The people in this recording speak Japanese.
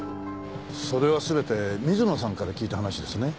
それは全て水野さんから聞いた話ですね。